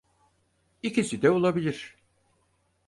İkisi de olabilir.